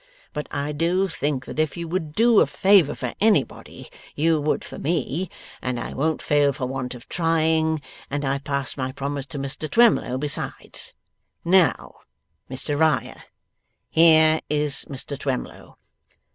But I do think that if you would do a favour for anybody, you would for me, and I won't fail for want of trying, and I've passed my promise to Mr Twemlow besides. Now, Mr Riah, here is Mr Twemlow.